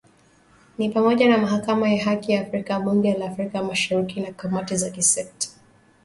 ni pamoja na Mahakama ya Haki ya Afrika Bunge la Afrika Mashariki na kamati za kisekta